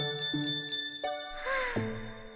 はあ。